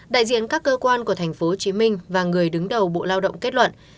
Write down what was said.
đại diện các cơ quan của tp hcm và người đứng đầu bộ lao động kết luận